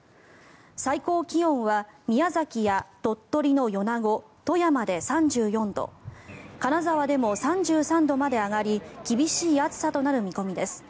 最高気温は宮崎や鳥取の米子、富山で３４度金沢でも３３度まで上がり厳しい暑さとなる見込みです。